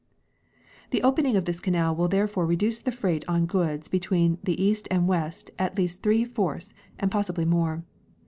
The opening of this canal will therefore reduce the freight on goods between the east and west at least three fourths and pos sibly more.